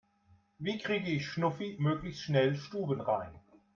Wie kriege ich Schnuffi möglichst schnell stubenrein?